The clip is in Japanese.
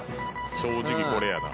正直これやな。